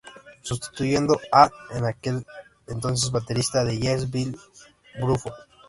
Sustituyendo a, en aquel entonces baterista de Yes Bill Bruford.